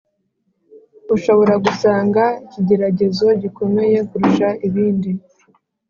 Ushobora gusanga ikigeragezo gikomeye kurusha ibindi